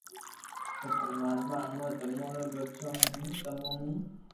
اي پرماتما امون تمو رو ٻچو ھون تمو مون